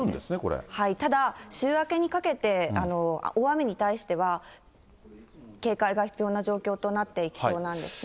ただ、週明けにかけて大雨に対しては、警戒が必要な状況となっていきそうなんですね。